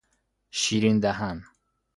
شیرین دهن